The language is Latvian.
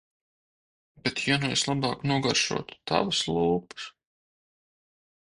Bet ja nu es labāk nogaršotu tavas lūpas?